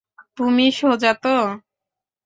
তুমি সোজা তো?